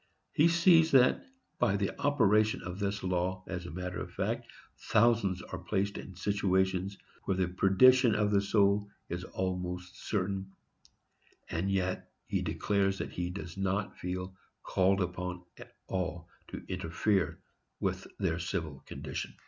He sees that, by the operation of this law as a matter of fact, thousands are placed in situations where the perdition of the soul is almost certain, and yet he declares that he does not feel called upon at all to interfere with their civil condition!